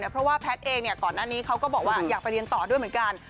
เพราะว่าแพทย์เองก่อนหน้านี้เขาก็บอกว่าอยากไปเรียนต่อด้วยเหมือนกัน